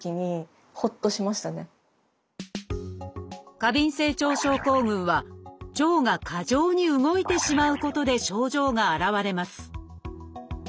過敏性腸症候群は腸が過剰に動いてしまうことで症状が現れます。